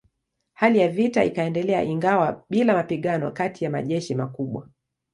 Hali ya vita ikaendelea ingawa bila mapigano kati ya majeshi makubwa.